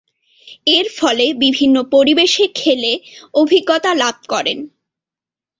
এরফলে বিভিন্ন পরিবেশে খেলে অভিজ্ঞতা লাভ করেন।